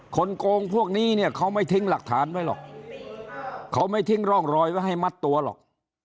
โกงพวกนี้เนี่ยเขาไม่ทิ้งหลักฐานไว้หรอกเขาไม่ทิ้งร่องรอยไว้ให้มัดตัวหรอก